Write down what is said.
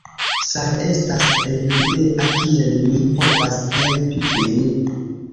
"Sal', estas Evildea, kiel mi povas helpi vin?"